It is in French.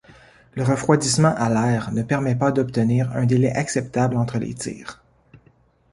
Le refroidissement à l'air ne permet pas d'obtenir un délai acceptable entre les tirs.